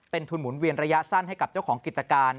เป็นทุนหมุนเวียนระยะสั้นให้กับเจ้าของกิจการ